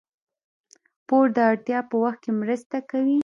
پور د اړتیا په وخت کې مرسته کوي.